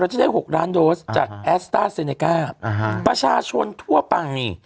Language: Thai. เราจะได้หกล้านโดสจากแอสตาร์เซเนกาอ่าฮะประชาชนทั่วไป